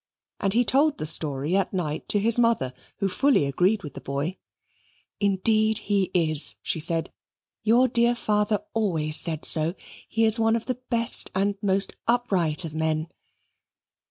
And he told the story at night to his mother, who fully agreed with the boy. "Indeed he is," she said. "Your dear father always said so. He is one of the best and most upright of men."